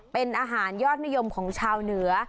เป็นอาหารยอดนิยมของชาวเหนือ